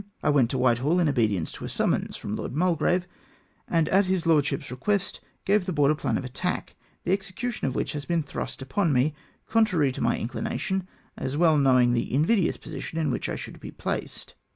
I went to Wliitehall in obedience to a summons from Lord Mulgrave, and at his lord ship's request gave the Board a plan of attack, the execution of which has been thrust upon me, contrary to my inchnation, as well knowing the invidious posi tion in which I should be placed."